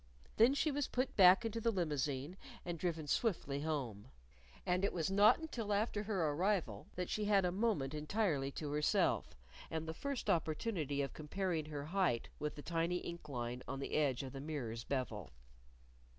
Then she was put back into the limousine and driven swiftly home. And it was not until after her arrival that she had a moment entirely to herself, and the first opportunity of comparing her height with the tiny ink line on the edge of the mirror's bevel.